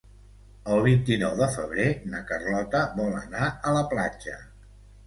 El vint-i-nou de febrer na Carlota vol anar a la platja.